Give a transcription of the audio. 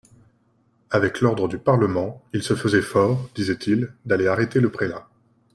Avec l'ordre du Parlement, il se faisait fort, disait-il, d'aller arrêter le prélat.